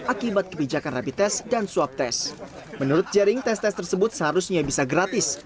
akibat kebijakan rapi tes dan swab tes menurut jering tes tes tersebut seharusnya bisa gratis